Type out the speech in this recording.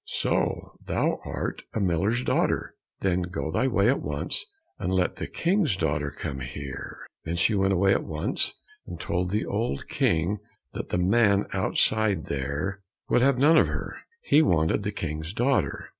"So thou art a miller's daughter! Then go thy way at once, and let the King's daughter come here." Then she went away at once, and told the old King that the man outside there, would have none of her he wanted the King's daughter.